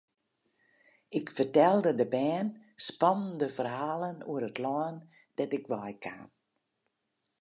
Ik fertelde de bern spannende ferhalen oer it lân dêr't ik wei kaam.